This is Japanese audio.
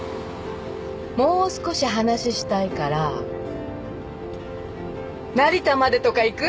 もう少し話したいから成田までとか行く？